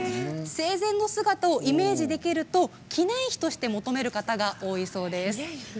生前の姿をイメージできると記念碑として求める方が多そうです。